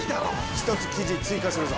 １つ記事追加するぞ。